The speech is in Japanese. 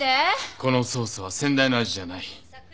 このソースは先代の味じゃない。